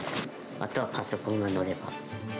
あとはパソコンが載れば。